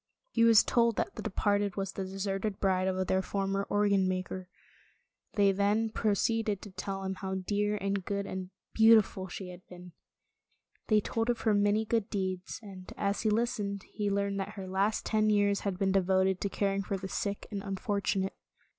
He was told that the departed was the deserted bride of Tales of Modern Germany 133 their former organ maker. Then they pro ceeded to tell him how dear and good and beautiful she had been. They told of her many good deeds, and as he listened, he learned that her last ten years had been devoted to caring for the sick and un fortunate.